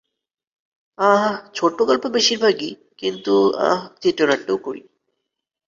আহ, ছোটগল্প বেশিরভাগই, কিন্তু, আহ, চিত্রনাট্যও করি।